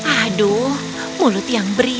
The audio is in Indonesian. aduh mulut yang berisik